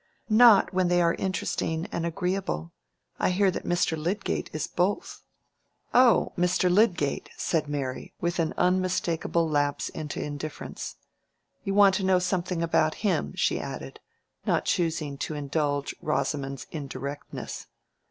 "Not when they are interesting and agreeable. I hear that Mr. Lydgate is both." "Oh, Mr. Lydgate!" said Mary, with an unmistakable lapse into indifference. "You want to know something about him," she added, not choosing to indulge Rosamond's indirectness.